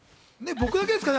僕だけですかね？